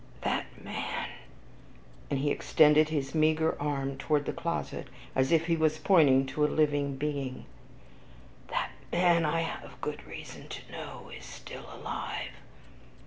That man," and he extended his meager arm toward the closet, as if he was pointing to a living being; "that man, I have good reason to know, is alive still."